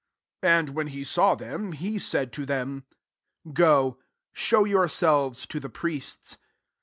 14 And, when he saw them^ he said to them, " Go, show yourselves to the priests."